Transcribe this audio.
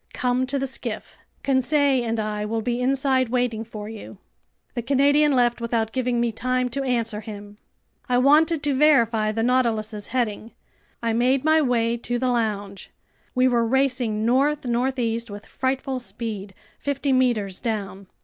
Come to the skiff. Conseil and I will be inside waiting for you." The Canadian left without giving me time to answer him. I wanted to verify the Nautilus's heading. I made my way to the lounge. We were racing north northeast with frightful speed, fifty meters down.